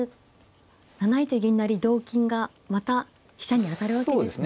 ７一銀成同金がまた飛車に当たるわけですね。